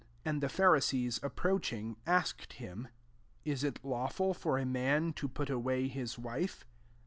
And the Pharisees approaching, asked him, ^ Is it lawful for a man to put away his wife